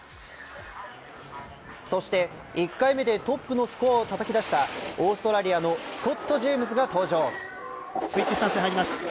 そして１回目でトップのスコアをたたき出したオーストラリアのスコット・ジェームズが登場。